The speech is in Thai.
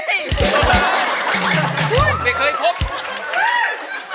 ไม่เคยคบ